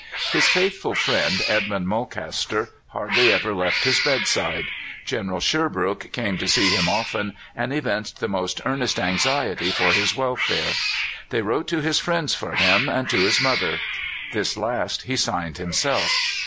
His faithful friend, Edmund Mulcaster, hardly ever left his bedside. General Sherbrooke came to see him often, and evinced the most earnest anxiety for his welfare. They wrote to his friends for him, and to his mother. This last he signed himself.